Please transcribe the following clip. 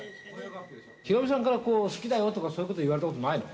ヒロミさんから好きだよとかそういうこと言われたことないの？